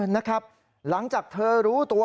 นะครับหลังจากเธอรู้ตัว